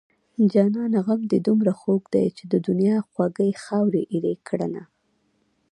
جانانه غم دې دومره خوږ دی چې د دنيا خواږه يې خاورې ايرې کړنه